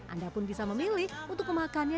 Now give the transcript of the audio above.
anda pun bisa memilih untuk memakannya